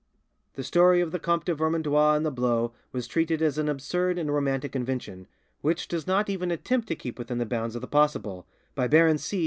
The story of the Comte de Vermandois and the blow was treated as an absurd and romantic invention, which does not even attempt to keep within the bounds of the possible, by Baron C.